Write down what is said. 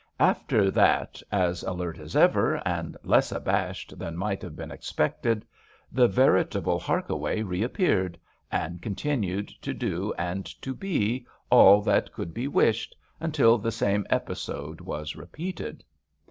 After that as alert as ever, and less abashed than might have been expected, the veritable Harkaway reappeared, and continued to do and to be all that could be wished until the same episode was repeated.